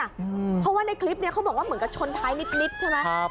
เพราะว่าในคลิปนี้เขาบอกว่าเหมือนกับชนท้ายนิดใช่ไหม